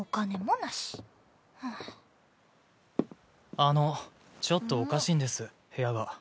あのちょっとおかしいんです部屋が。